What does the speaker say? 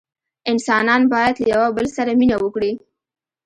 انسانان باید له یوه بل سره مینه وکړي.